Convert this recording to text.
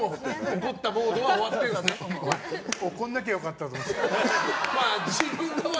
怒らなきゃ良かったと思って。